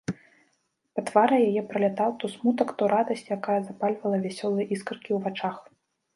Па твары яе пралятаў то смутак, то радасць, якая запальвала вясёлыя іскаркі ў вачах.